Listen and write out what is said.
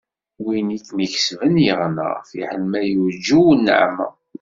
Win i kem-ikesben yeɣna, fiḥel ma yuǧew nneɛma.